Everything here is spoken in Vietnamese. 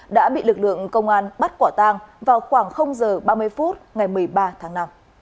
đã bị lực lượng công an bắt quả tang vào khoảng h ba mươi phút ngày một mươi ba tháng năm